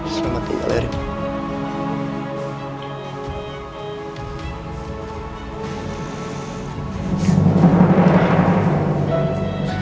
selamat tinggal erik